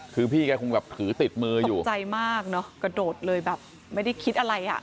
คือพี่แกคงแบบถือติดมืออยู่ตกใจมากเนอะกระโดดเลยแบบไม่ได้คิดอะไรอ่ะ